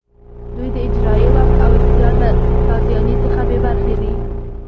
دوی د اجرایې واک او اختیار له تازیاني څخه بې برخې دي.